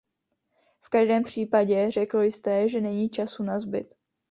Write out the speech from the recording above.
V každém případě, řekl jste, že není času nazbyt.